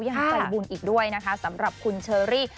ยังใจบุญอีกด้วยนะคะสำหรับคุณเชอรี่